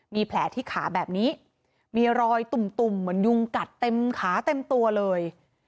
มีแผลที่ขาแบบนี้มีรอยตุ่มเหมือนยุงกัดเต็มขาเต็มตัวเลย